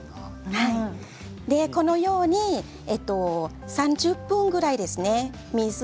このように３０分ぐらいですね。